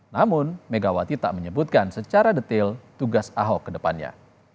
namun megawati tak menyebutkan secara detail tugas ahok ke depannya